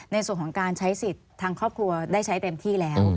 ในส่วนของการใช้สิทธิ์ทางครอบครัวได้ใช้เต็มที่แล้ว